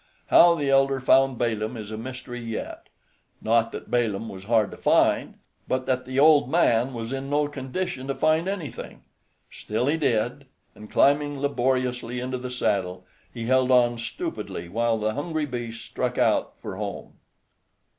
How the elder found Balaam is a mystery yet: not that Balaam was hard to find, but that the old man was in no condition to find anything. Still he did, and climbing laboriously into the saddle, he held on stupidly while the hungry beast struck out for home.